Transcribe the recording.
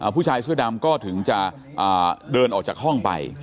ผู้ชายเสื้อดำก็ถึงจะเดินออกจากห้องไป